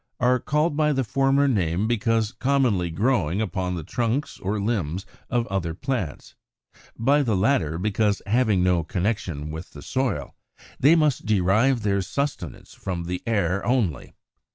88), are called by the former name because commonly growing upon the trunks or limbs of other plants; by the latter because, having no connection with the soil, they must derive their sustenance from the air only.